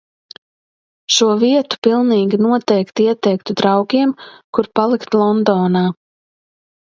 Šo vietu pilnīgi noteikti ieteiktu draugiem, kur palikt Londonā.